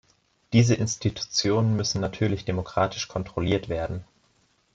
Diese Institutionen müssen natürlich demokratisch kontrolliert werden.